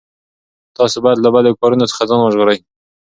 تاسو باید له بدو کارونو څخه ځان وژغورئ.